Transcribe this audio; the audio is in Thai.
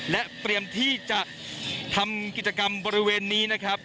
และเตรียมที่จะทำกิจกรรมบริเวณนี้นะครับ